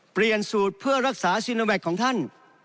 เปลี่ยนสูตรเพื่อรักษาซีโนแวคของท่าน